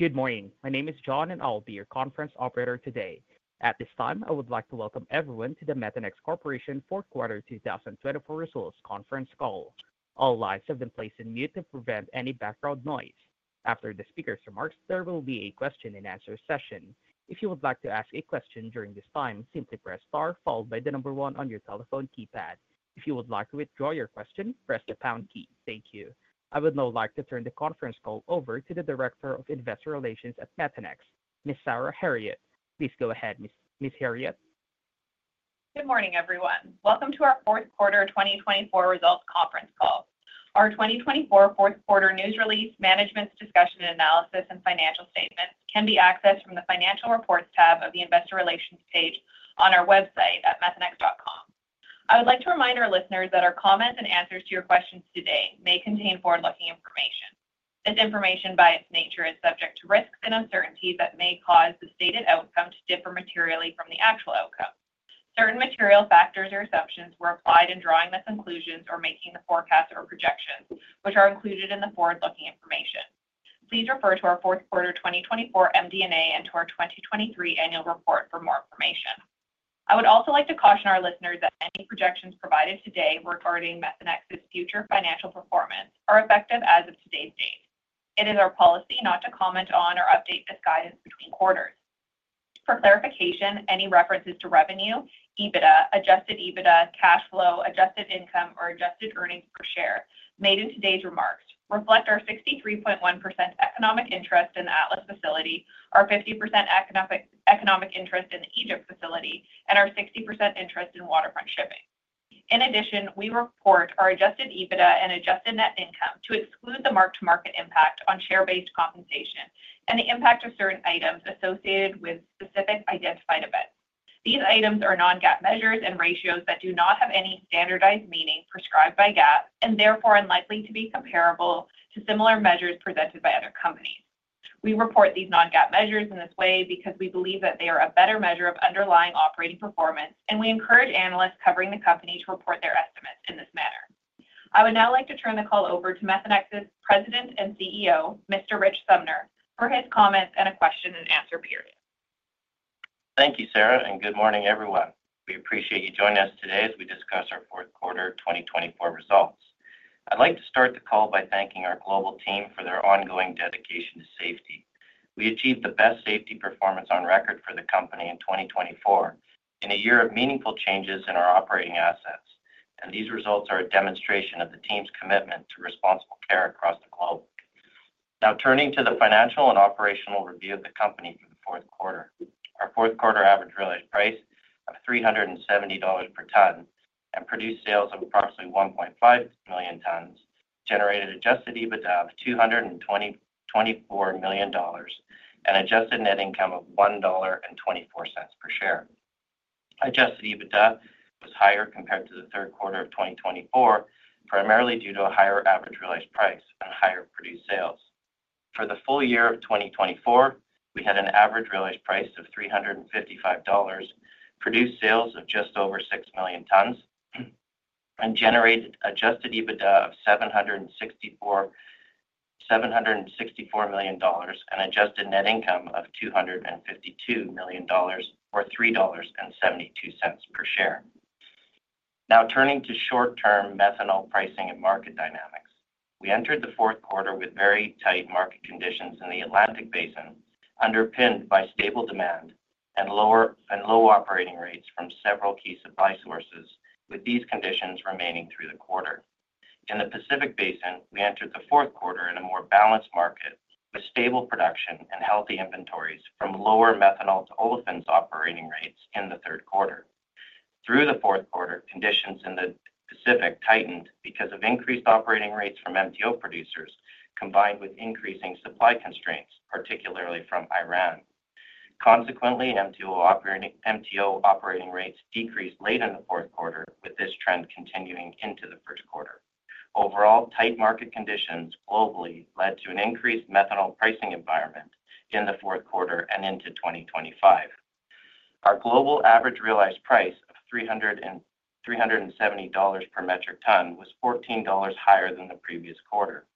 Good morning. My name is John, and I'll be your conference operator today. At this time, I would like to welcome everyone to the Methanex Corporation Fourth Quarter 2024 Results Conference Call. All lines have been placed on mute to prevent any background noise. After the speaker's remarks, there will be a question-and-answer session. If you would like to ask a question during this time, simply press star followed by the number one on your telephone keypad. If you would like to withdraw your question, press the pound key. Thank you. I would now like to turn the conference call over to the Director of Investor Relations at Methanex, Ms. Sarah Herriott. Please go ahead, Ms. Herriott. Good morning, everyone. Welcome to our Fourth Quarter 2024 Results Conference Call. Our 2024 Fourth Quarter News Release, Management's Discussion and Analysis, and Financial Statements can be accessed from the Financial Reports tab of the Investor Relations page on our website at methanex.com. I would like to remind our listeners that our comments and answers to your questions today may contain forward-looking information. This information, by its nature, is subject to risks and uncertainties that may cause the stated outcome to differ materially from the actual outcome. Certain material factors or assumptions were applied in drawing the conclusions or making the forecast or projections, which are included in the forward-looking information. Please refer to our Fourth Quarter 2024 MD&A and to our 2023 Annual Report for more information. I would also like to caution our listeners that any projections provided today regarding Methanex's future financial performance are effective as of today's date. It is our policy not to comment on or update this guidance between quarters. For clarification, any references to revenue, EBITDA, adjusted EBITDA, cash flow, adjusted income, or adjusted earnings per share made in today's remarks reflect our 63.1% economic interest in the Atlas facility, our 50% economic interest in the Egypt facility, and our 60% interest in Waterfront Shipping. In addition, we report our adjusted EBITDA and adjusted net income to exclude the mark-to-market impact on share-based compensation and the impact of certain items associated with specific identified events. These items are non-GAAP measures and ratios that do not have any standardized meaning prescribed by GAAP and therefore unlikely to be comparable to similar measures presented by other companies. We report these non-GAAP measures in this way because we believe that they are a better measure of underlying operating performance, and we encourage analysts covering the company to report their estimates in this manner. I would now like to turn the call over to Methanex's President and CEO, Mr. Rich Sumner, for his comments and a question-and-answer period. Thank you, Sarah, and good morning, everyone. We appreciate you joining us today as we discuss our Fourth Quarter 2024 results. I'd like to start the call by thanking our global team for their ongoing dedication to safety. We achieved the best safety performance on record for the company in 2024, in a year of meaningful changes in our operating assets, and these results are a demonstration of the team's commitment to Responsible Care across the globe. Now, turning to the financial and operational review of the company for the fourth quarter, our fourth quarter average realized price of $370 per ton and produced sales of approximately 1.5 million tons generated Adjusted EBITDA of $224 million and Adjusted net income of $1.24 per share. Adjusted EBITDA was higher compared to the third quarter of 2024, primarily due to a higher average realized price and higher produced sales. For the full year of 2024, we had an average realized price of $355, produced sales of just over 6 million tons, and generated adjusted EBITDA of $764 million and adjusted net income of $252 million or $3.72 per share. Now, turning to short-term methanol pricing and market dynamics, we entered the fourth quarter with very tight market conditions in the Atlantic Basin, underpinned by stable demand and low operating rates from several key supply sources, with these conditions remaining through the quarter. In the Pacific Basin, we entered the fourth quarter in a more balanced market with stable production and healthy inventories from lower methanol-to-olefins operating rates in the third quarter. Through the fourth quarter, conditions in the Pacific tightened because of increased operating rates from MTO producers, combined with increasing supply constraints, particularly from Iran. Consequently, MTO operating rates decreased late in the fourth quarter, with this trend continuing into the first quarter. Overall, tight market conditions globally led to an increased methanol pricing environment in the fourth quarter and into 2025. Our global average realized price of $370 per metric ton was $14 higher than the previous quarter.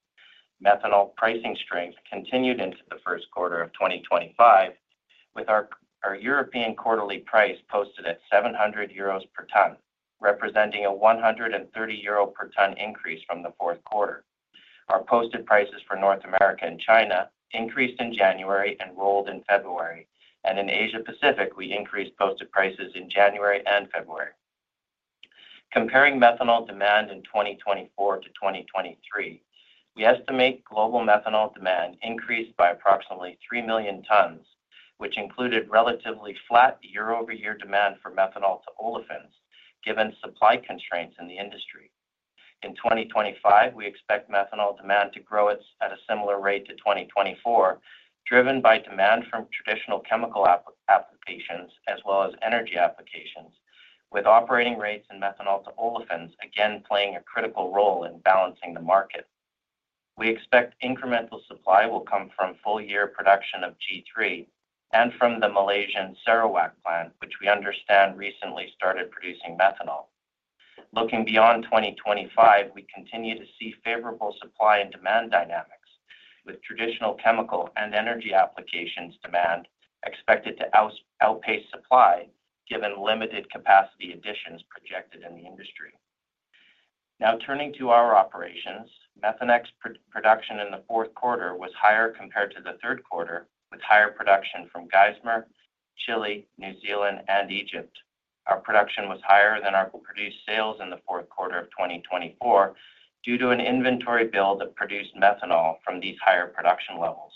Methanol pricing strength continued into the first quarter of 2025, with our European quarterly price posted at 700 euros per ton, representing a 130 euro per ton increase from the fourth quarter. Our posted prices for North America and China increased in January and rolled in February, and in Asia-Pacific, we increased posted prices in January and February. Comparing methanol demand in 2024 to 2023, we estimate global methanol demand increased by approximately 3 million tons, which included relatively flat year-over-year demand for methanol to olefins, given supply constraints in the industry. In 2025, we expect methanol demand to grow at a similar rate to 2024, driven by demand from traditional chemical applications as well as energy applications, with operating rates in methanol-to-olefins again playing a critical role in balancing the market. We expect incremental supply will come from full-year production of G3 and from the Malaysian Sarawak plant, which we understand recently started producing methanol. Looking beyond 2025, we continue to see favorable supply and demand dynamics, with traditional chemical and energy applications' demand expected to outpace supply, given limited capacity additions projected in the industry. Now, turning to our operations, Methanex production in the fourth quarter was higher compared to the third quarter, with higher production from Geismar, Chile, New Zealand, and Egypt. Our production was higher than our produced sales in the fourth quarter of 2024 due to an inventory build that produced methanol from these higher production levels.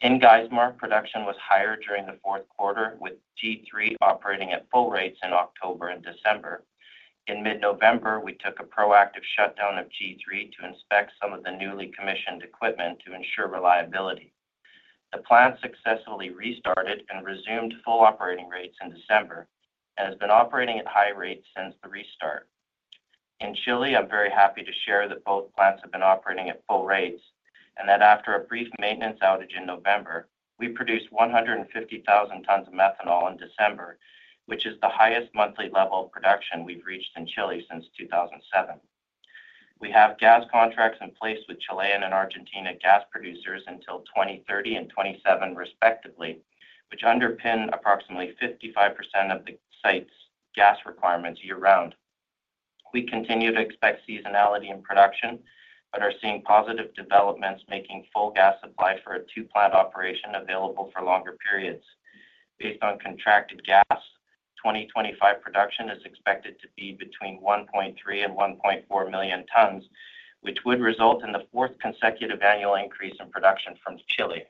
In Geismar, production was higher during the fourth quarter, with G3 operating at full rates in October and December. In mid-November, we took a proactive shutdown of G3 to inspect some of the newly commissioned equipment to ensure reliability. The plant successfully restarted and resumed full operating rates in December and has been operating at high rates since the restart. In Chile, I'm very happy to share that both plants have been operating at full rates and that after a brief maintenance outage in November, we produced 150,000 tons of methanol in December, which is the highest monthly level of production we've reached in Chile since 2007. We have gas contracts in place with Chilean and Argentine gas producers until 2030 and 2027, respectively, which underpin approximately 55% of the site's gas requirements year-round. We continue to expect seasonality in production but are seeing positive developments making full gas supply for a two-plant operation available for longer periods. Based on contracted gas, 2025 production is expected to be between 1.3 and 1.4 million tons, which would result in the fourth consecutive annual increase in production from Chile.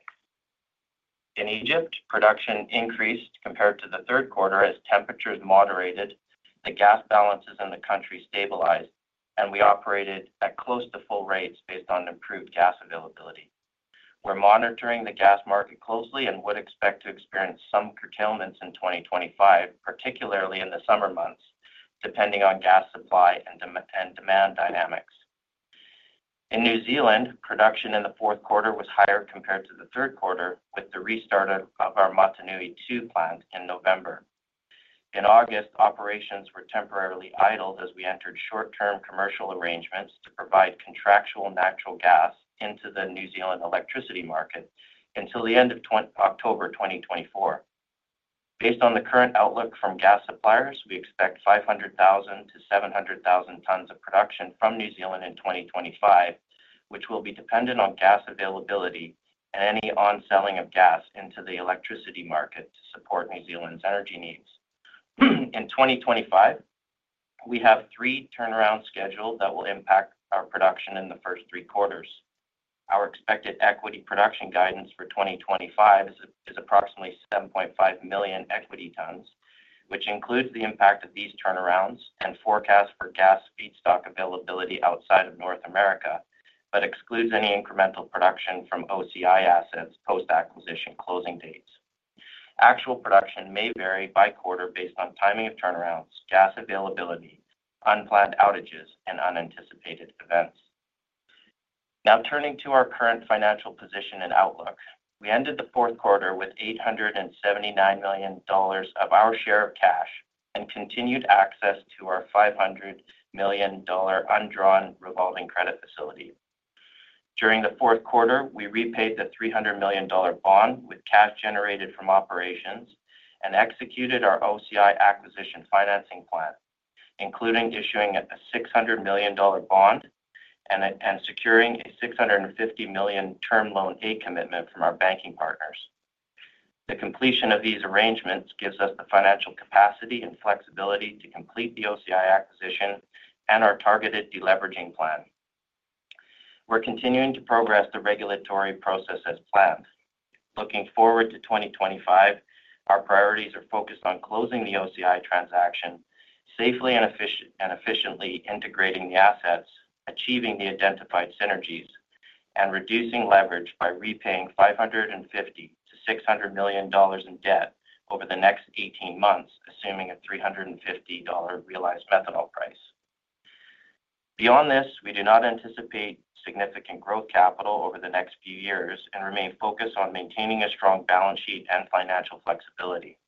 In Egypt, production increased compared to the third quarter as temperatures moderated, the gas balances in the country stabilized, and we operated at close to full rates based on improved gas availability. We're monitoring the gas market closely and would expect to experience some curtailments in 2025, particularly in the summer months, depending on gas supply and demand dynamics. In New Zealand, production in the fourth quarter was higher compared to the third quarter with the restart of our Motunui II plant in November. In August, operations were temporarily idled as we entered short-term commercial arrangements to provide contractual natural gas into the New Zealand electricity market until the end of October 2024. Based on the current outlook from gas suppliers, we expect 500,000-700,000 tons of production from New Zealand in 2025, which will be dependent on gas availability and any onselling of gas into the electricity market to support New Zealand's energy needs. In 2025, we have three turnarounds scheduled that will impact our production in the first three quarters. Our expected equity production guidance for 2025 is approximately 7.5 million equity tons, which includes the impact of these turnarounds and forecasts for gas feedstock availability outside of North America, but excludes any incremental production from OCI assets post-acquisition closing dates. Actual production may vary by quarter based on timing of turnarounds, gas availability, unplanned outages, and unanticipated events. Now, turning to our current financial position and outlook, we ended the fourth quarter with $879 million of our share of cash and continued access to our $500 million undrawn revolving credit facility. During the fourth quarter, we repaid the $300 million bond with cash generated from operations and executed our OCI acquisition financing plan, including issuing a $600 million bond and securing a $650 million term loan and commitment from our banking partners. The completion of these arrangements gives us the financial capacity and flexibility to complete the OCI acquisition and our targeted deleveraging plan. We're continuing to progress the regulatory process as planned. Looking forward to 2025, our priorities are focused on closing the OCI transaction, safely and efficiently integrating the assets, achieving the identified synergies, and reducing leverage by repaying $550-$600 million in debt over the next 18 months, assuming a $350 realized methanol price. Beyond this, we do not anticipate significant growth capital over the next few years and remain focused on maintaining a strong balance sheet and financial flexibility.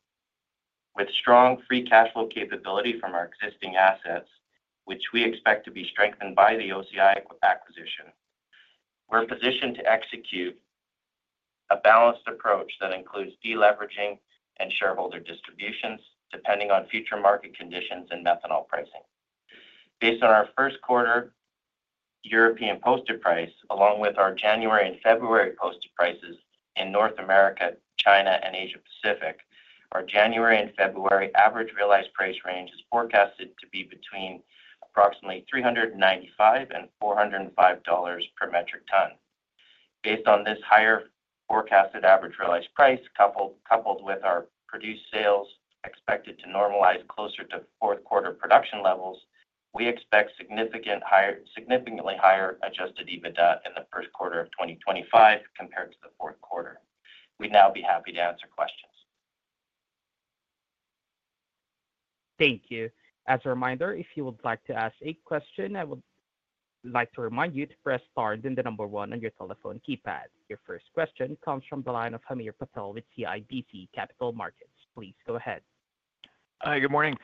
With strong free cash flow capability from our existing assets, which we expect to be strengthened by the OCI acquisition, we're positioned to execute a balanced approach that includes deleveraging and shareholder distributions depending on future market conditions and methanol pricing. Based on our first quarter European posted price, along with our January and February posted prices in North America, China, and Asia-Pacific, our January and February average realized price range is forecasted to be between approximately $395 and $405 per metric ton. Based on this higher forecasted average realized price, coupled with our produced sales expected to normalize closer to fourth quarter production levels, we expect significantly higher Adjusted EBITDA in the first quarter of 2025 compared to the fourth quarter. We'd now be happy to answer questions. Thank you. As a reminder, if you would like to ask a question, I would like to remind you to press star, then the number one on your telephone keypad. Your first question comes from the line of Amir Patel with CIBC Capital Markets. Please go ahead. Hi, good morning.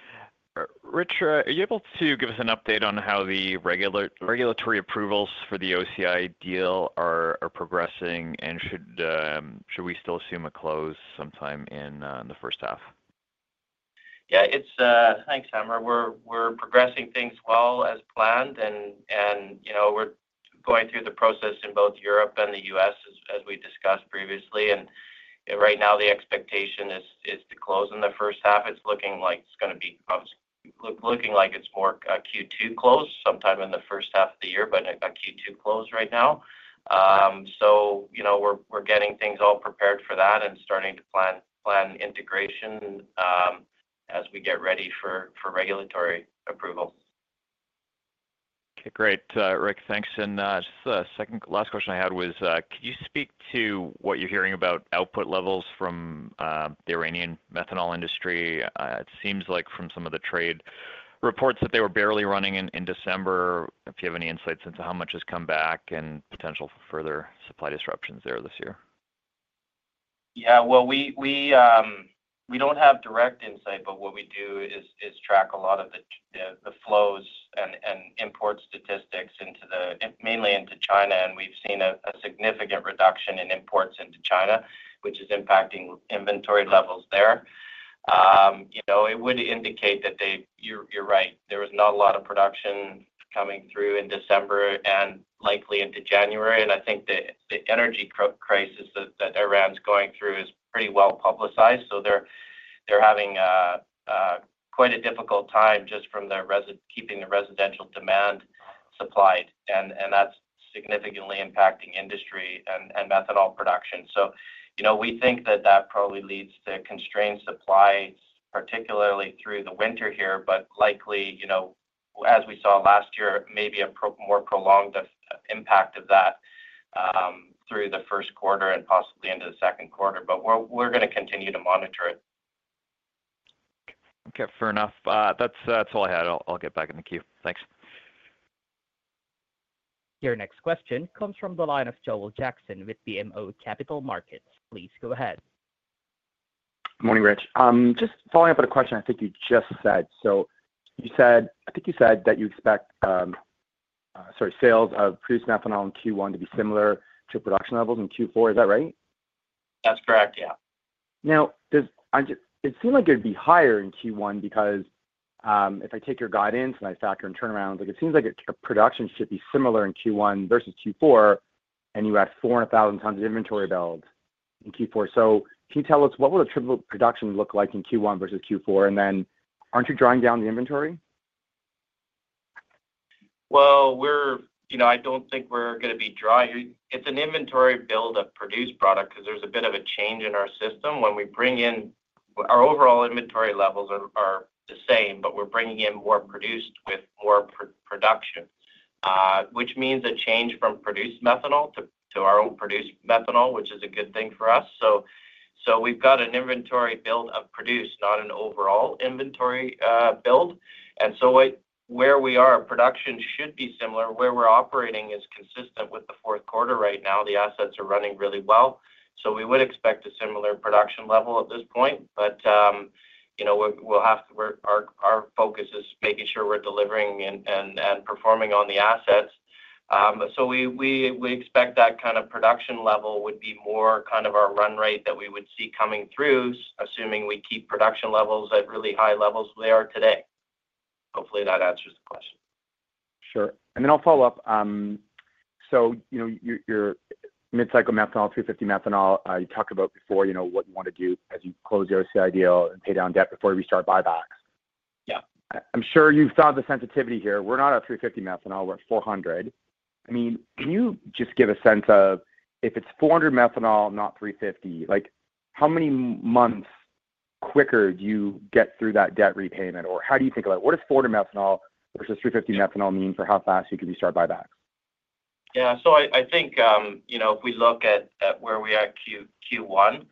Rich, are you able to give us an update on how the regulatory approvals for the OCI deal are progressing, and should we still assume a close sometime in the first half? Yeah, it's thanks, Hassan. We're progressing things well as planned, and we're going through the process in both Europe and the U.S., as we discussed previously. Right now, the expectation is to close in the first half. It's looking like it's more a Q2 close sometime in the first half of the year, but a Q2 close right now. We're getting things all prepared for that and starting to plan integration as we get ready for regulatory approval. Okay, great. Rich, thanks. And just the second last question I had was, could you speak to what you're hearing about output levels from the Iranian methanol industry? It seems like from some of the trade reports that they were barely running in December. If you have any insights into how much has come back and potential for further supply disruptions there this year? Yeah, well, we don't have direct insight, but what we do is track a lot of the flows and import statistics mainly into China, and we've seen a significant reduction in imports into China, which is impacting inventory levels there. It would indicate that you're right. There was not a lot of production coming through in December and likely into January, and I think the energy crisis that Iran's going through is pretty well publicized, so they're having quite a difficult time just from keeping the residential demand supplied, and that's significantly impacting industry and methanol production, so we think that that probably leads to constrained supplies, particularly through the winter here, but likely, as we saw last year, maybe a more prolonged impact of that through the first quarter and possibly into the second quarter, but we're going to continue to monitor it. Okay, fair enough. That's all I had. I'll get back in the queue. Thanks. Your next question comes from the line of Joel Jackson with BMO Capital Markets. Please go ahead. Good morning, Rich. Just following up on a question I think you just said. So I think you said that you expect, sorry, sales of produced methanol in Q1 to be similar to production levels in Q4. Is that right? That's correct, yeah. Now, it seemed like it would be higher in Q1 because if I take your guidance and I factor in turnarounds, it seems like production should be similar in Q1 versus Q4, and you had 400,000 tons of inventory build in Q4. So can you tell us what typical production would look like in Q1 versus Q4? And then aren't you drawing down the inventory? I don't think we're going to be drawing. It's an inventory build of produced product because there's a bit of a change in our system. When we bring in, our overall inventory levels are the same, but we're bringing in more produced with more production, which means a change from produced methanol to our own produced methanol, which is a good thing for us. We've got an inventory build of produced, not an overall inventory build. And so where we are, production should be similar. Where we're operating is consistent with the fourth quarter right now. The assets are running really well. We would expect a similar production level at this point, but our focus is making sure we're delivering and performing on the assets. So we expect that kind of production level would be more kind of our run rate that we would see coming through, assuming we keep production levels at really high levels they are today. Hopefully, that answers the question. Sure. And then I'll follow up. So your mid-cycle methanol, 350 methanol, you talked about before what you want to do as you close the OCI deal and pay down debt before you restart buybacks? Yeah. I'm sure you've thought of the sensitivity here. We're not at 350 methanol. We're at 400. I mean, can you just give a sense of if it's 400 methanol, not 350, how many months quicker do you get through that debt repayment? Or how do you think about it? What does 400 methanol versus 350 methanol mean for how fast you can restart buybacks? Yeah. So I think if we look at where we are Q1,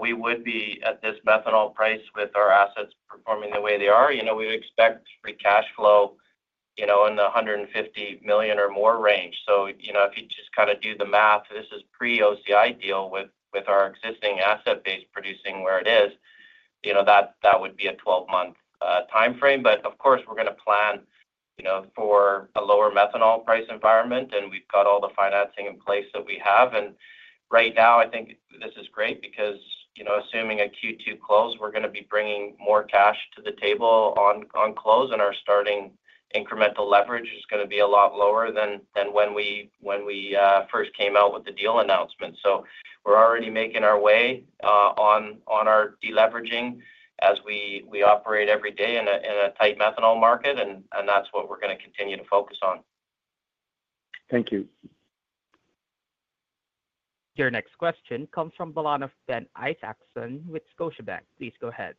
we would be at this methanol price with our assets performing the way they are. We would expect free cash flow in the $150 million or more range. So if you just kind of do the math, this is pre-OCI deal with our existing asset base producing where it is. That would be a 12-month time frame. But of course, we're going to plan for a lower methanol price environment, and we've got all the financing in place that we have. And right now, I think this is great because assuming a Q2 close, we're going to be bringing more cash to the table on close, and our starting incremental leverage is going to be a lot lower than when we first came out with the deal announcement. We're already making our way on our deleveraging as we operate every day in a tight methanol market, and that's what we're going to continue to focus on. Thank you. Your next question comes from the line of Ben Isaacson with Scotiabank. Please go ahead.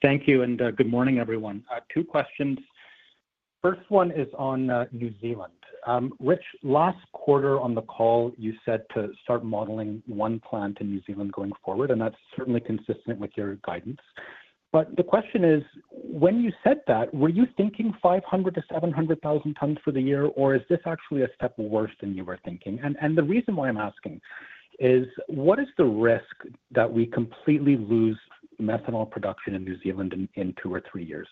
Thank you, and good morning, everyone. Two questions. First one is on New Zealand. Rich, last quarter on the call, you said to start modeling one plant in New Zealand going forward, and that's certainly consistent with your guidance. But the question is, when you said that, were you thinking 500-700,000 tons for the year, or is this actually a step worse than you were thinking? And the reason why I'm asking is, what is the risk that we completely lose methanol production in New Zealand in two or three years?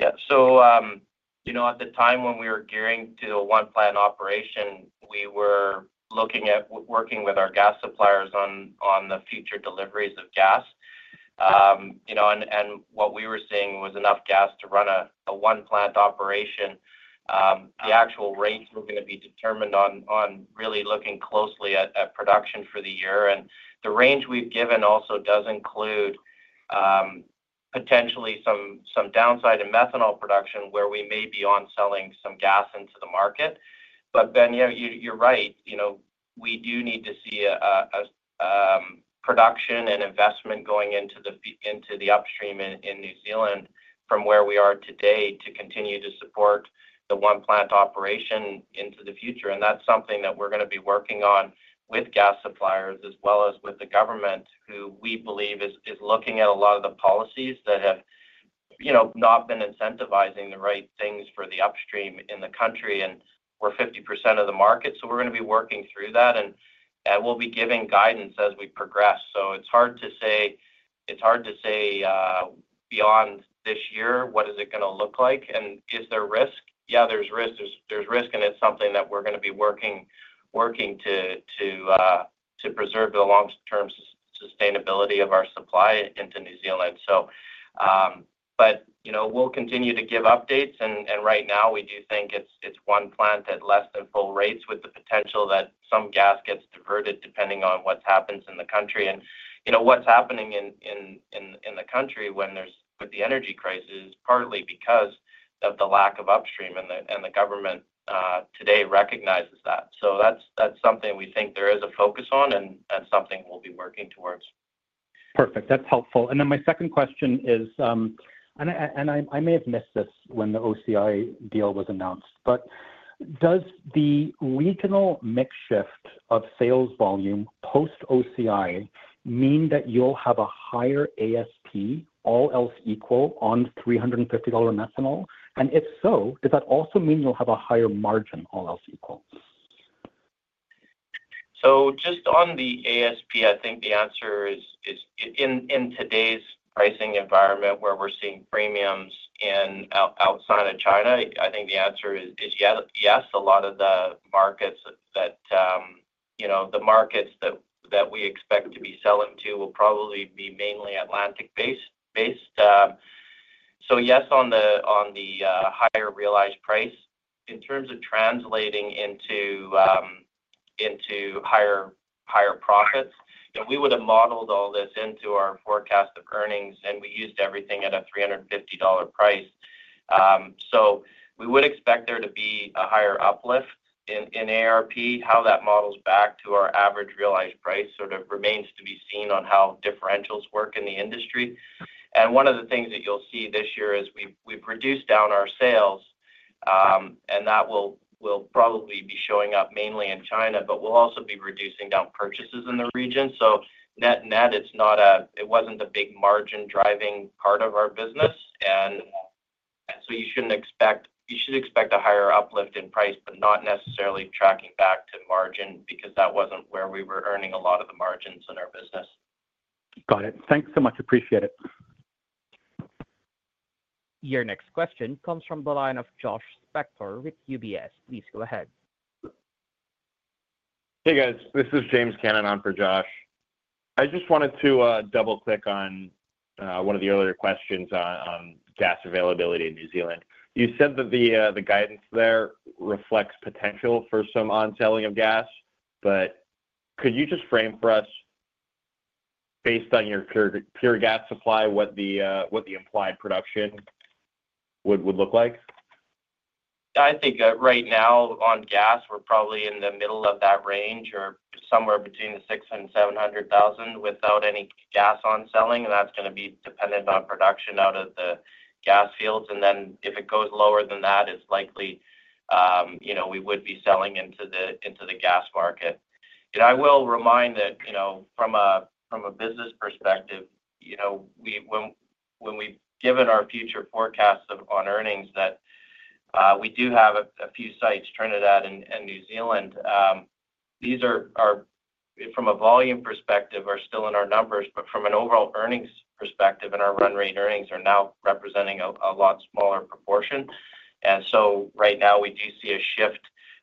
Yeah, so at the time when we were gearing to a one-plant operation, we were looking at working with our gas suppliers on the future deliveries of gas, and what we were seeing was enough gas to run a one-plant operation. The actual rates were going to be determined on really looking closely at production for the year, and the range we've given also does include potentially some downside in methanol production where we may be on selling some gas into the market, but Ben, you're right. We do need to see production and investment going into the upstream in New Zealand from where we are today to continue to support the one-plant operation into the future. That's something that we're going to be working on with gas suppliers as well as with the government, who we believe is looking at a lot of the policies that have not been incentivizing the right things for the upstream in the country. We're 50% of the market, so we're going to be working through that, and we'll be giving guidance as we progress. It's hard to say beyond this year, what is it going to look like? Is there risk? Yeah, there's risk. There's risk, and it's something that we're going to be working to preserve the long-term sustainability of our supply into New Zealand. We'll continue to give updates, and right now, we do think it's one plant at less than full rates with the potential that some gas gets diverted depending on what happens in the country. What's happening in the country with the energy crisis is partly because of the lack of upstream, and the government today recognizes that. That's something we think there is a focus on and something we'll be working towards. Perfect. That's helpful. And then my second question is, and I may have missed this when the OCI deal was announced, but does the regional mix shift of sales volume post-OCI mean that you'll have a higher ASP, all else equal, on $350 methanol? And if so, does that also mean you'll have a higher margin, all else equal? So just on the ASP, I think the answer is in today's pricing environment where we're seeing premiums outside of China. I think the answer is yes. A lot of the markets that we expect to be selling to will probably be mainly Atlantic-based. So yes, on the higher realized price, in terms of translating into higher profits, we would have modeled all this into our forecast of earnings, and we used everything at a $350 price. So we would expect there to be a higher uplift in ARP. How that models back to our average realized price sort of remains to be seen on how differentials work in the industry. And one of the things that you'll see this year is we've reduced down our sales, and that will probably be showing up mainly in China, but we'll also be reducing down purchases in the region. So net net, it wasn't the big margin-driving part of our business. And so you should expect a higher uplift in price, but not necessarily tracking back to margin because that wasn't where we were earning a lot of the margins in our business. Got it. Thanks so much. Appreciate it. Your next question comes from the line of Josh Spector with UBS. Please go ahead. Hey, guys. This is James Cannon on for Josh. I just wanted to double-click on one of the earlier questions on gas availability in New Zealand. You said that the guidance there reflects potential for some onselling of gas, but could you just frame for us, based on your pure gas supply, what the implied production would look like? I think right now, on gas, we're probably in the middle of that range or somewhere between 600,000 and 700,000 without any gas onselling. That's going to be dependent on production out of the gas fields. Then if it goes lower than that, it's likely we would be selling into the gas market. I will remind that from a business perspective, when we've given our future forecasts on earnings, that we do have a few sites, Trinidad and New Zealand. These, from a volume perspective, are still in our numbers, but from an overall earnings perspective, and our run rate earnings are now representing a lot smaller proportion. So right now, we do see a shift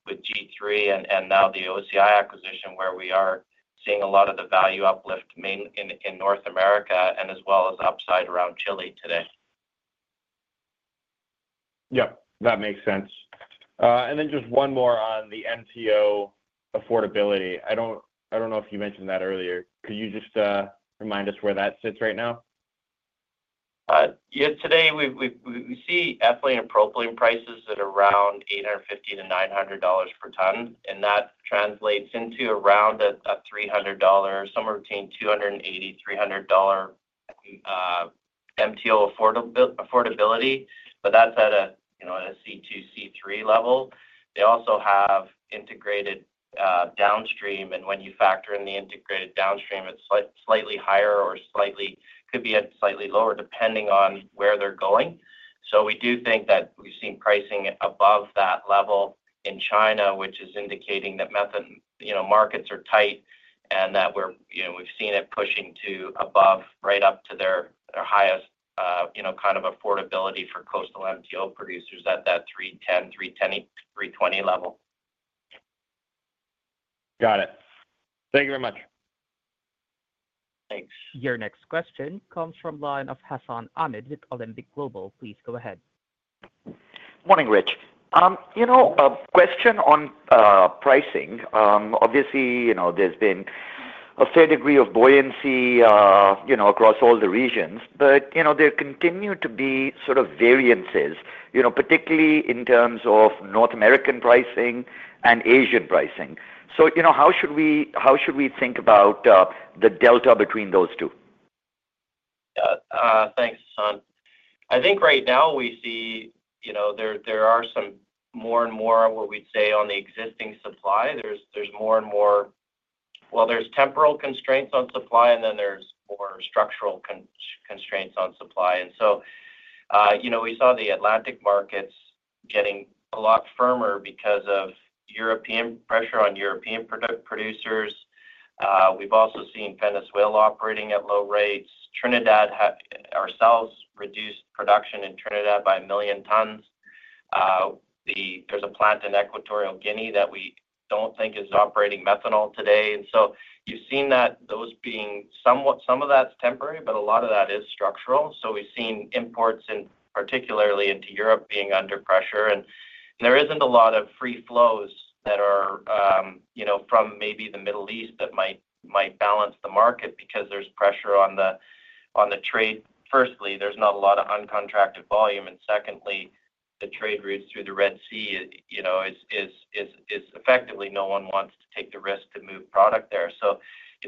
with G3 and now the OCI acquisition where we are seeing a lot of the value uplift mainly in North America and as well as upside around Chile today. Yep. That makes sense. And then just one more on the MTO affordability. I don't know if you mentioned that earlier. Could you just remind us where that sits right now? Yeah. Today, we see ethylene and propylene prices at around $850-$900 per ton, and that translates into around a $300, somewhere between $280-$300 MTO affordability, but that's at a C2, C3 level. They also have integrated downstream, and when you factor in the integrated downstream, it's slightly higher or could be slightly lower depending on where they're going. So we do think that we've seen pricing above that level in China, which is indicating that markets are tight and that we've seen it pushing to above, right up to their highest kind of affordability for coastal MTO producers at that $310-$320 level. Got it. Thank you very much. Thanks. Your next question comes from the line of Hassan Ahmed with Alembic Global Advisors. Please go ahead. Morning, Rich. A question on pricing. Obviously, there's been a fair degree of buoyancy across all the regions, but there continue to be sort of variances, particularly in terms of North American pricing and Asian pricing. So how should we think about the delta between those two? Yeah. Thanks, Hassan. I think right now we see there are some more and more what we'd say on the existing supply. There's more and more well, there's temporal constraints on supply, and then there's more structural constraints on supply. And so we saw the Atlantic markets getting a lot firmer because of European pressure on European producers. We've also seen Venezuela operating at low rates. Ourselves reduced production in Trinidad by a million tons. There's a plant in Equatorial Guinea that we don't think is operating methanol today. And so you've seen those being some of that's temporary, but a lot of that is structural. So we've seen imports, particularly into Europe, being under pressure. And there isn't a lot of free flows that are from maybe the Middle East that might balance the market because there's pressure on the trade. Firstly, there's not a lot of uncontracted volume. And secondly, the trade routes through the Red Sea is effectively no one wants to take the risk to move product there.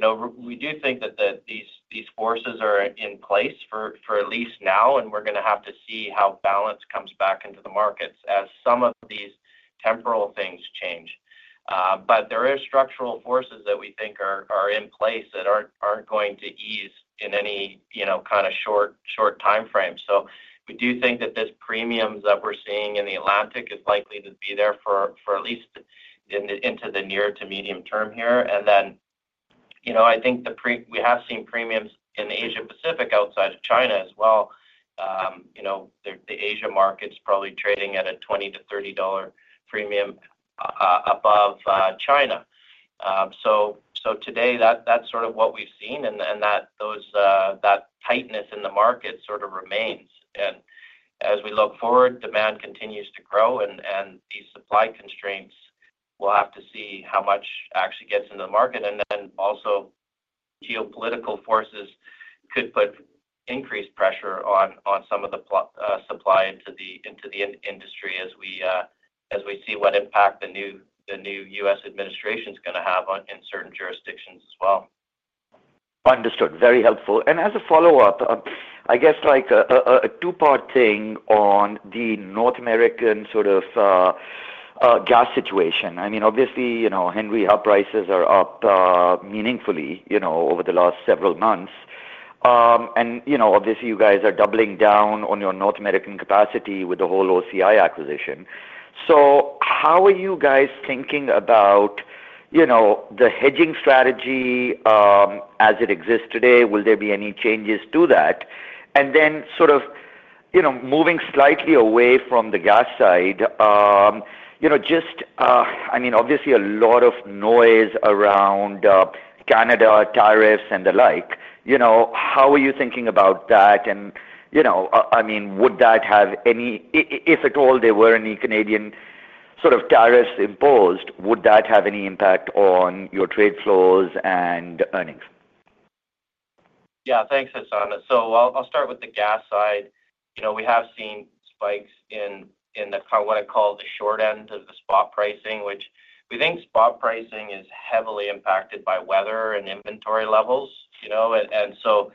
So we do think that these forces are in place for at least now, and we're going to have to see how balance comes back into the markets as some of these temporal things change. But there are structural forces that we think are in place that aren't going to ease in any kind of short time frame. So we do think that this premiums that we're seeing in the Atlantic is likely to be there for at least into the near to medium term here. And then I think we have seen premiums in Asia-Pacific outside of China as well. The Asia market's probably trading at a $20-$30 premium above China. So today, that's sort of what we've seen, and that tightness in the market sort of remains. And as we look forward, demand continues to grow, and these supply constraints, we'll have to see how much actually gets into the market. And then also, geopolitical forces could put increased pressure on some of the supply into the industry as we see what impact the new U.S. administration's going to have in certain jurisdictions as well. Understood. Very helpful. And as a follow-up, I guess a two-part thing on the North American sort of gas situation. I mean, obviously, Henry Hub prices are up meaningfully over the last several months. And obviously, you guys are doubling down on your North American capacity with the whole OCI acquisition. So how are you guys thinking about the hedging strategy as it exists today? Will there be any changes to that? And then sort of moving slightly away from the gas side, just, I mean, obviously, a lot of noise around Canada tariffs and the like. How are you thinking about that? And I mean, would that have any if at all, there were any Canadian sort of tariffs imposed, would that have any impact on your trade flows and earnings? Yeah. Thanks, Hassan. So I'll start with the gas side. We have seen spikes in what I call the short end of the spot pricing, which we think spot pricing is heavily impacted by weather and inventory levels. And so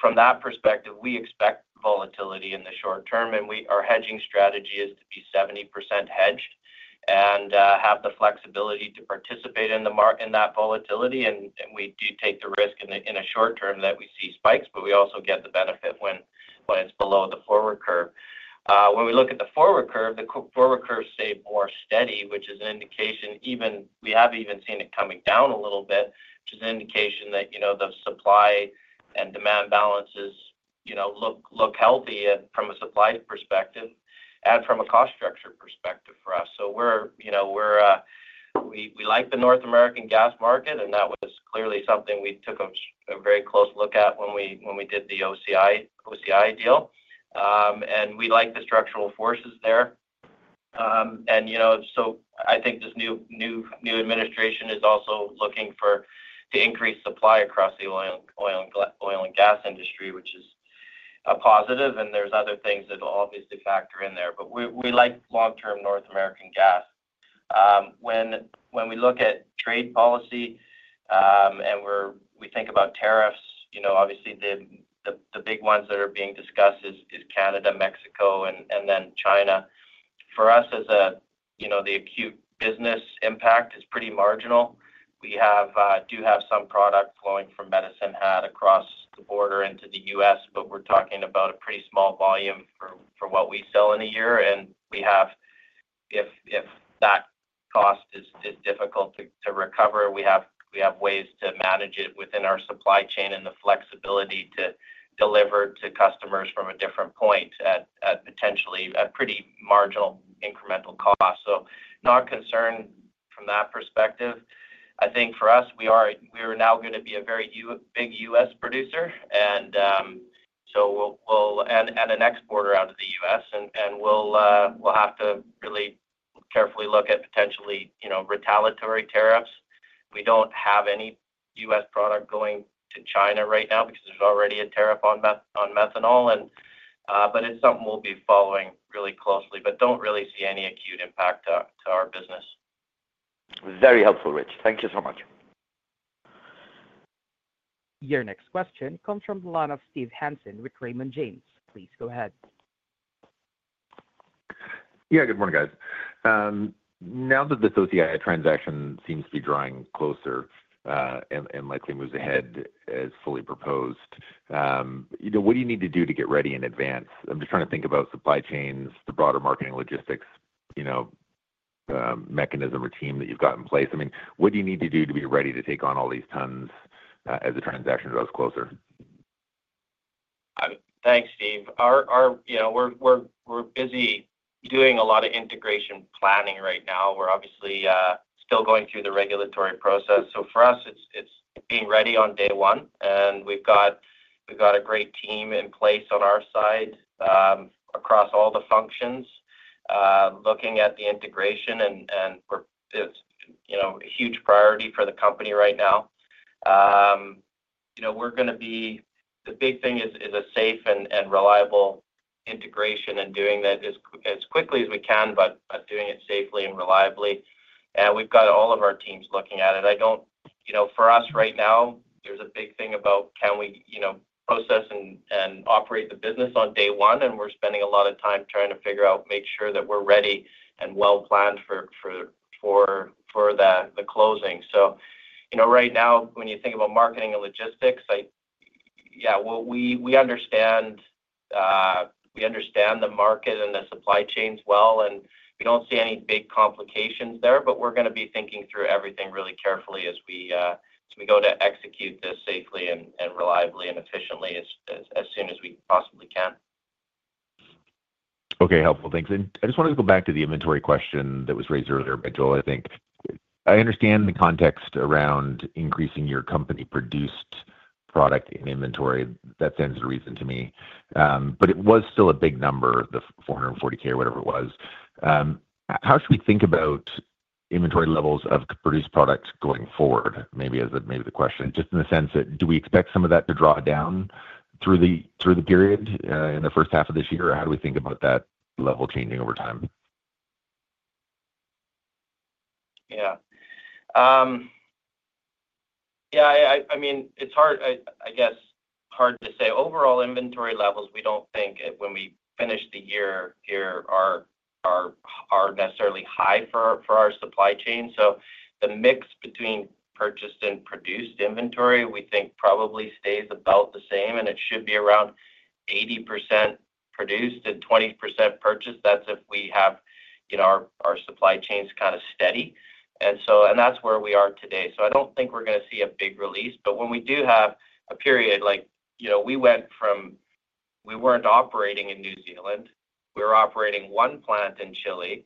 from that perspective, we expect volatility in the short term, and our hedging strategy is to be 70% hedged and have the flexibility to participate in that volatility. And we do take the risk in the short term that we see spikes, but we also get the benefit when it's below the forward curve. When we look at the forward curve, the forward curve stayed more steady, which is an indication even we have seen it coming down a little bit, which is an indication that the supply and demand balances look healthy from a supply perspective and from a cost structure perspective for us. So we like the North American gas market, and that was clearly something we took a very close look at when we did the OCI deal. And we like the structural forces there. And so I think this new administration is also looking to increase supply across the oil and gas industry, which is a positive, and there's other things that will obviously factor in there. But we like long-term North American gas. When we look at trade policy and we think about tariffs, obviously, the big ones that are being discussed is Canada, Mexico, and then China. For us, the acute business impact is pretty marginal. We do have some product flowing from Medicine Hat across the border into the U.S., but we're talking about a pretty small volume for what we sell in a year. And if that cost is difficult to recover, we have ways to manage it within our supply chain and the flexibility to deliver to customers from a different point at potentially a pretty marginal incremental cost. So not concerned from that perspective. I think for us, we are now going to be a very big U.S. producer, and an exporter out of the U.S., and we'll have to really carefully look at potentially retaliatory tariffs. We don't have any U.S. product going to China right now because there's already a tariff on methanol, but it's something we'll be following really closely, but don't really see any acute impact to our business. Very helpful, Rich. Thank you so much. Your next question comes from the line of Steve Hansen with Raymond James. Please go ahead. Yeah. Good morning, guys. Now that this OCI transaction seems to be drawing closer and likely moves ahead as fully proposed, what do you need to do to get ready in advance? I'm just trying to think about supply chains, the broader marketing logistics mechanism or team that you've got in place. I mean, what do you need to do to be ready to take on all these tons as the transaction draws closer? Thanks, Steve. We're busy doing a lot of integration planning right now. We're obviously still going through the regulatory process. So for us, it's being ready on day one, and we've got a great team in place on our side across all the functions looking at the integration, and it's a huge priority for the company right now. We're going to be the big thing is a safe and reliable integration and doing that as quickly as we can, but doing it safely and reliably. And we've got all of our teams looking at it. For us right now, there's a big thing about can we process and operate the business on day one, and we're spending a lot of time trying to figure out, make sure that we're ready and well-planned for the closing. Right now, when you think about marketing and logistics, yeah, we understand the market and the supply chains well, and we don't see any big complications there, but we're going to be thinking through everything really carefully as we go to execute this safely and reliably and efficiently as soon as we possibly can. Okay. Helpful. Thanks. And I just wanted to go back to the inventory question that was raised earlier by Joel, I think. I understand the context around increasing your company-produced product in inventory. That stands to reason to me. But it was still a big number, the 440K or whatever it was. How should we think about inventory levels of produced products going forward? Maybe that's the question, just in the sense that do we expect some of that to draw down through the period in the first half of this year, or how do we think about that level changing over time? Yeah. Yeah. I mean, it's hard, I guess, hard to say. Overall inventory levels, we don't think when we finish the year here are necessarily high for our supply chain. So the mix between purchased and produced inventory, we think probably stays about the same, and it should be around 80% produced and 20% purchased. That's if we have our supply chains kind of steady. And that's where we are today. So I don't think we're going to see a big release. But when we do have a period like we went from we weren't operating in New Zealand. We were operating one plant in Chile.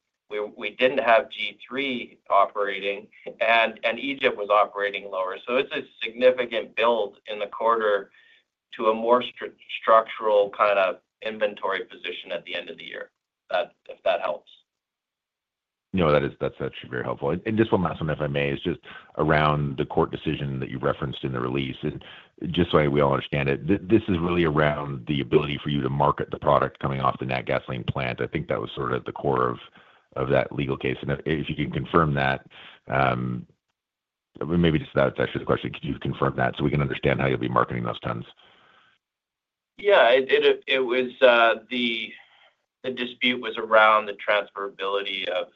We didn't have G3 operating, and Egypt was operating lower. So it's a significant build in the quarter to a more structural kind of inventory position at the end of the year, if that helps. No, that's actually very helpful. And just one last one, if I may, is just around the court decision that you've referenced in the release. And just so we all understand it, this is really around the ability for you to market the product coming off the Natgasoline plant. I think that was sort of the core of that legal case. And if you can confirm that, maybe just that's actually the question. Could you confirm that so we can understand how you'll be marketing those tons? Yeah. The dispute was around the transferability of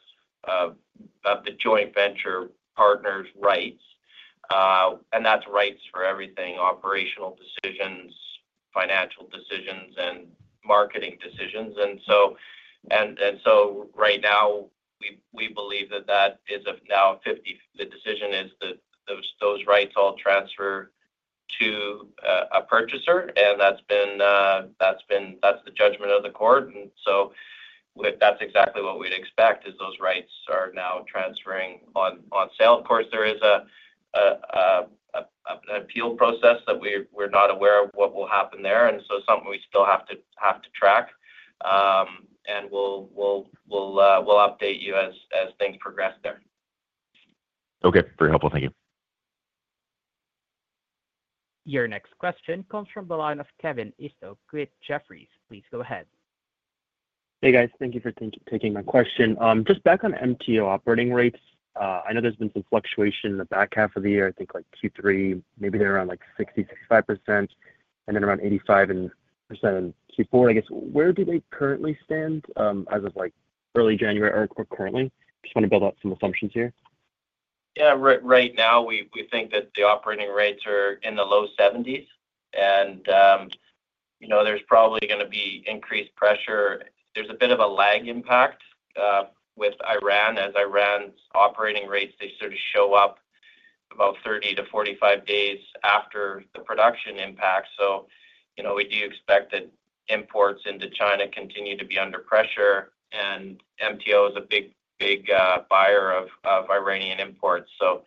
the joint venture partners' rights. And that's rights for everything: operational decisions, financial decisions, and marketing decisions. And so right now, we believe that is now a 50/50. The decision is that those rights all transfer to a purchaser, and that's been the judgment of the court. And so that's exactly what we'd expect is those rights are now transferring on sale. Of course, there is an appeal process that we're not aware of what will happen there. And so it's something we still have to track. And we'll update you as things progress there. Okay. Very helpful. Thank you. Your next question comes from the line of Laurence Alexander, with Jefferies. Please go ahead. Hey, guys. Thank you for taking my question. Just back on MTO operating rates, I know there's been some fluctuation in the back half of the year, I think like Q3, maybe they're around like 60%-65%, and then around 85% in Q4. I guess, where do they currently stand as of early January or currently? Just want to build out some assumptions here. Yeah. Right now, we think that the operating rates are in the low 70s, and there's probably going to be increased pressure. There's a bit of a lag impact with Iran, as Iran's operating rates, they sort of show up about 30 to 45 days after the production impact. So we do expect that imports into China continue to be under pressure, and MTO is a big buyer of Iranian imports. So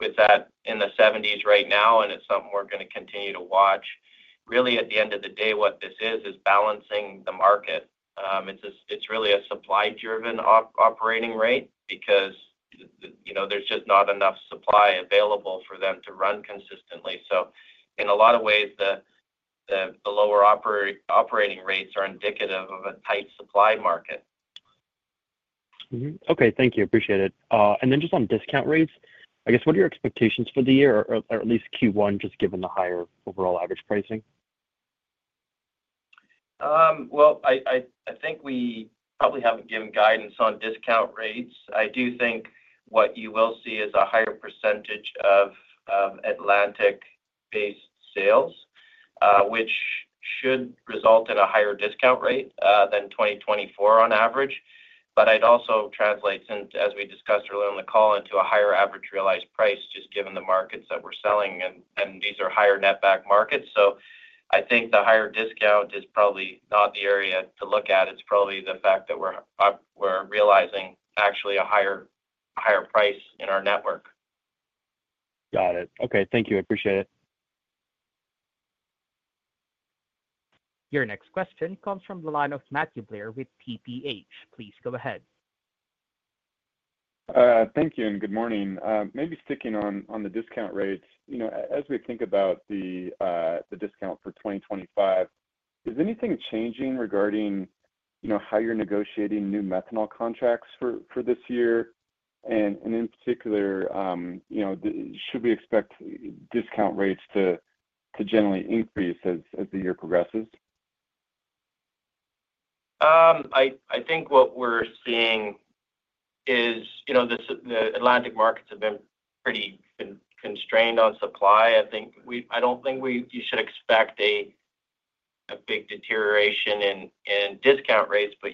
with that in the 70s right now, and it's something we're going to continue to watch. Really, at the end of the day, what this is, is balancing the market. It's really a supply-driven operating rate because there's just not enough supply available for them to run consistently. So in a lot of ways, the lower operating rates are indicative of a tight supply market. Okay. Thank you. Appreciate it. And then just on discount rates, I guess, what are your expectations for the year or at least Q1, just given the higher overall average pricing? I think we probably haven't given guidance on discount rates. I do think what you will see is a higher percentage of Atlantic-based sales, which should result in a higher discount rate than 2024 on average. It also translates, as we discussed earlier on the call, into a higher average realized price, just given the markets that we're selling. These are higher netback markets. I think the higher discount is probably not the area to look at. It's probably the fact that we're realizing actually a higher price in our network. Got it. Okay. Thank you. Appreciate it. Your next question comes from the line of Matthew Blair with TPH. Please go ahead. Thank you and good morning. Maybe sticking on the discount rates, as we think about the discount for 2025, is anything changing regarding how you're negotiating new methanol contracts for this year? And in particular, should we expect discount rates to generally increase as the year progresses? I think what we're seeing is the Atlantic markets have been pretty constrained on supply. I don't think you should expect a big deterioration in discount rates, but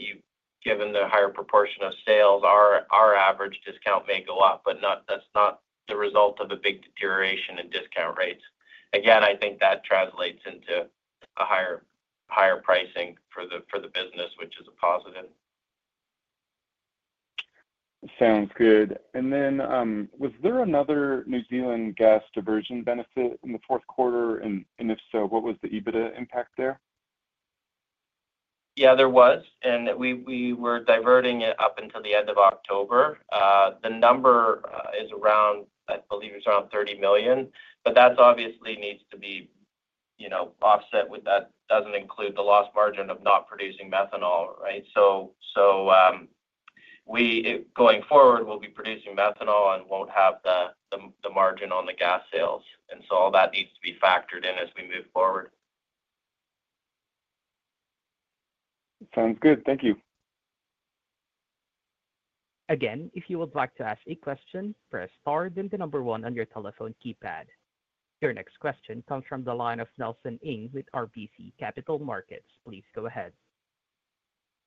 given the higher proportion of sales, our average discount may go up, but that's not the result of a big deterioration in discount rates. Again, I think that translates into a higher pricing for the business, which is a positive. Sounds good. And then was there another New Zealand gas diversion benefit in the fourth quarter? And if so, what was the EBITDA impact there? Yeah, there was, and we were diverting it up until the end of October. The number is around, I believe it's around $30 million, but that obviously needs to be offset with that doesn't include the loss margin of not producing methanol, right? So going forward, we'll be producing methanol and won't have the margin on the gas sales, and so all that needs to be factored in as we move forward. Sounds good. Thank you. Again, if you would like to ask a question, press star then the number one on your telephone keypad. Your next question comes from the line of Nelson Ng with RBC Capital Markets. Please go ahead.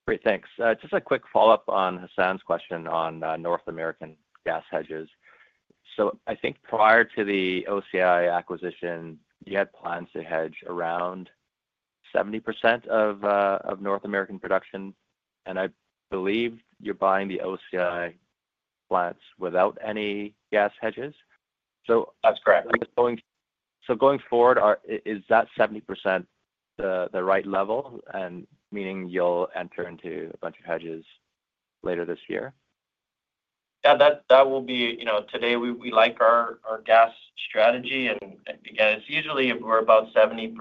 Great. Thanks. Just a quick follow-up on Hassan's question on North American gas hedges. So I think prior to the OCI acquisition, you had plans to hedge around 70% of North American production, and I believe you're buying the OCI plants without any gas hedges. That's correct. So going forward, is that 70% the right level, meaning you'll enter into a bunch of hedges later this year? Yeah. That will be today. We like our gas strategy. And again, it's usually we're about 70%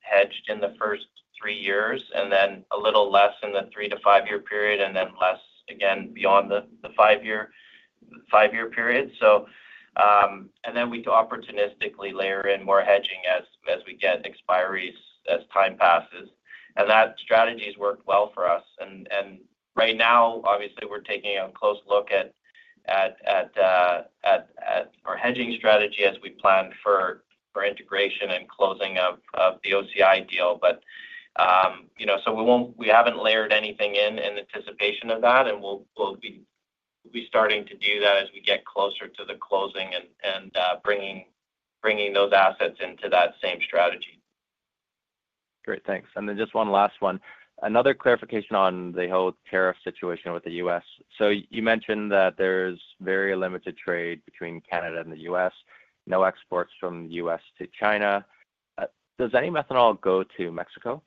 hedged in the first three years and then a little less in the three- to five-year period and then less again beyond the five-year period. And then we opportunistically layer in more hedging as we get expiries, as time passes. And that strategy has worked well for us. And right now, obviously, we're taking a close look at our hedging strategy as we plan for integration and closing of the OCI deal. But so we haven't layered anything in anticipation of that, and we'll be starting to do that as we get closer to the closing and bringing those assets into that same strategy. Great. Thanks. And then just one last one. Another clarification on the whole tariff situation with the U.S. So you mentioned that there's very limited trade between Canada and the U.S., no exports from the U.S. to China. Does any methanol go to Mexico?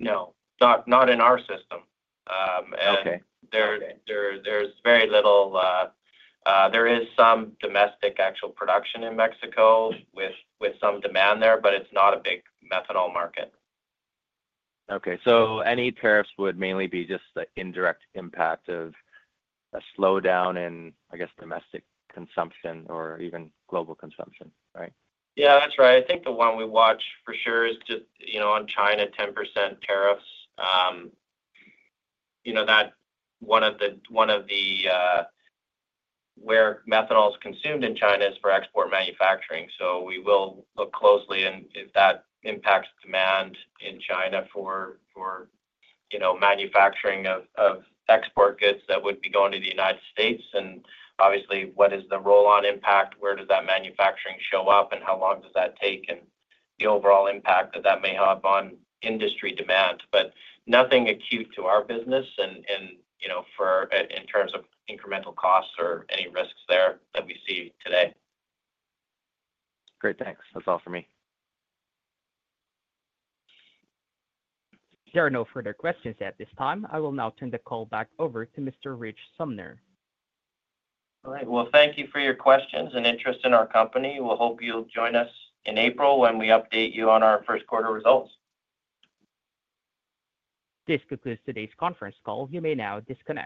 No. Not in our system. There's very little. There is some domestic actual production in Mexico with some demand there, but it's not a big methanol market. Okay. So any tariffs would mainly be just the indirect impact of a slowdown in, I guess, domestic consumption or even global consumption, right? Yeah, that's right. I think the one we watch for sure is just on China, 10% tariffs. That's one of the where methanol is consumed in China is for export manufacturing. So we will look closely at if that impacts demand in China for manufacturing of export goods that would be going to the United States. And obviously, what is the roll-on impact? Where does that manufacturing show up, and how long does that take, and the overall impact that that may have on industry demand? But nothing acute to our business in terms of incremental costs or any risks there that we see today. Great. Thanks. That's all for me. There are no further questions at this time. I will now turn the call back over to Mr. Rich Sumner. All right. Well, thank you for your questions and interest in our company. We hope you'll join us in April when we update you on our first quarter results. This concludes today's conference call. You may now disconnect.